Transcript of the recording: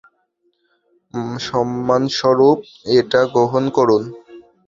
সম্মানস্বরূপ এটা গ্রহণ করুন।